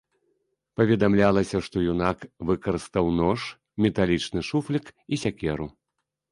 Паведамлялася, што юнак выкарыстаў нож, металічны шуфлік і сякеру.